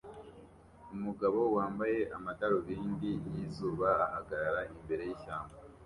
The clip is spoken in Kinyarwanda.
Umugabo wambaye amadarubindi yizuba ahagarara imbere yishyamba